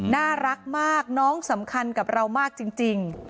น่ารักมากน้องสำคัญกับเรามากจริง